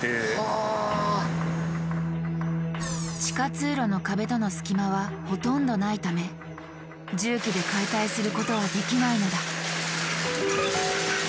地下通路の壁との隙間はほとんどないため重機で解体することはできないのだ。